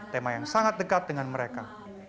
tema yang sangat dekat dengan mereka